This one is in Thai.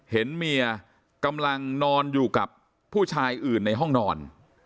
เห็นเมียกำลังนอนอยู่กับผู้ชายอื่นในห้องนอน